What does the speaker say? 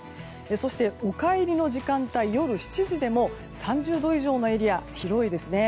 そして、お帰りの時間帯夜７時でも３０度以上のエリアが広いですね。